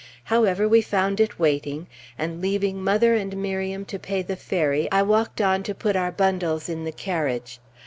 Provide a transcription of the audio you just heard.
However, we found it waiting, and leaving mother and Miriam to pay the ferry, I walked on to put our bundles in the carriage.